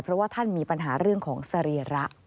เพราะว่าท่านมีปัญหาเรื่องของสรีระ